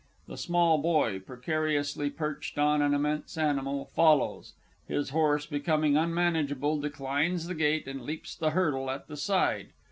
[_The Small Boy, precariously perched on an immense animal, follows; his horse, becoming unmanageable, declines the gate, and leaps the hurdle at the side.